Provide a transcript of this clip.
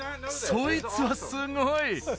そいつはすごい！